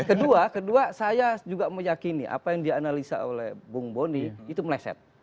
kedua kedua saya juga meyakini apa yang dianalisa oleh bung boni itu meleset